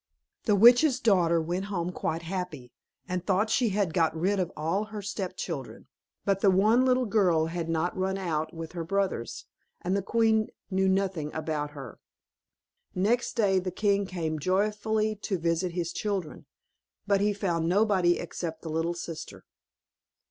The witch's daughter went home quite happy, and thought she had got rid of all her stepchildren; but the one little girl had not run out with her brothers, and the queen knew nothing about her. Next day, the king came joyfully to visit his children, but he found nobody except the little sister.